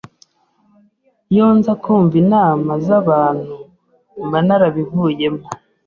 iyo nza kumva inama z’abantu mba narabivuyemo.